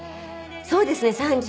そうですね。